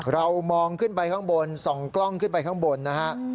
เรามองขึ้นไปข้างบนส่องกล้องขึ้นไปข้างบนนะฮะ